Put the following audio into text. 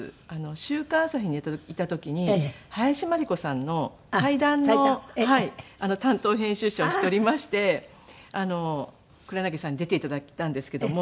『週刊朝日』にいた時に林真理子さんの対談の担当編集者をしておりまして黒柳さんに出て頂いたんですけども。